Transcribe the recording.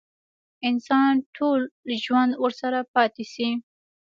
انسان ټول ژوند ورسره پاتې شي.